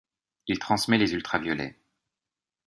Il transmet les ultraviolets.